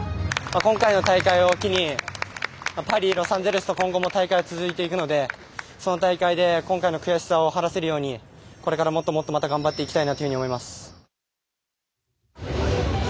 今回の大会を機にパリ、ロサンゼルスと今後も大会は続いていくのでその大会で今回の悔しさを晴らせるようにこれからもっと頑張っていきたいと思います。